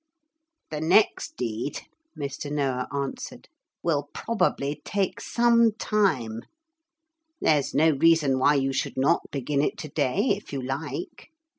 'The next deed,' Mr. Noah answered, 'will probably take some time. There's no reason why you should not begin it to day if you like.